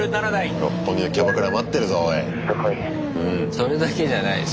それだけじゃないでしょ。